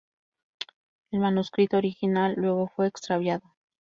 El manuscrito original luego fue extraviado.